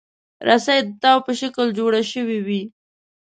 رسۍ د تاو په شکل جوړه شوې وي.